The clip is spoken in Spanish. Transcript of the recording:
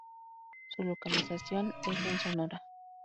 Su localización es en Sonora.